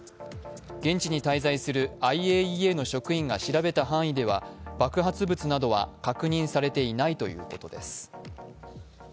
現地に滞在するＩＡＥＡの職員が調べた範囲では爆発物などは確認されていないということです。